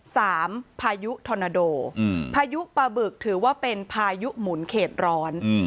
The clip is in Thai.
พายุทอนาโดอืมพายุปลาบึกถือว่าเป็นพายุหมุนเขตร้อน